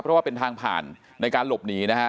เพราะว่าเป็นทางผ่านในการหลบหนีนะฮะ